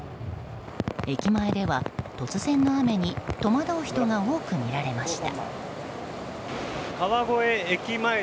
駅前では突然の雨に戸惑う人が多く見られました。